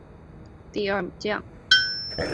后在太原知府张孝纯手下任河东第二将。